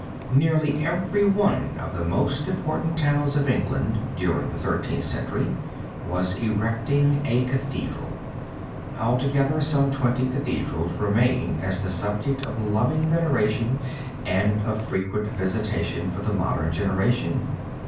Nearly every one of the most important towns of England during the Thirteenth Century was erecting a cathedral. Altogether some twenty cathedrals remain as the subject of loving veneration and of frequent visitation for the modern generation.